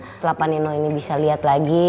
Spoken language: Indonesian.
setelah panino ini bisa liat lagi